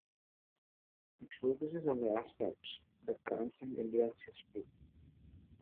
It focuses on the aspects that transcend India's history.